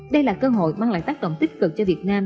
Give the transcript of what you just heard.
đây là cơ hội mang lại tác động tích cực cho việt nam